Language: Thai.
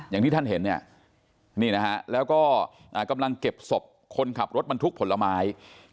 อย่างที่ท่านเห็นเนี่ยนี่นะฮะแล้วก็กำลังเก็บศพคนขับรถบรรทุกผลไม้